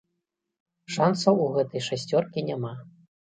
Шансаў у гэтай шасцёркі няма.